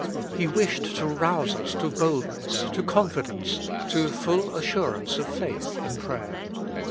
He wished to rouse us to boldness, to confidence, to full assurance of faith in prayer.